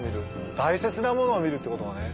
大切なものを見るってことがね